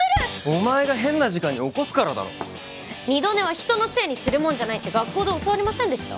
お前が変な時間に起こすからだろ二度寝は人のせいにするもんじゃないって学校で教わりませんでした？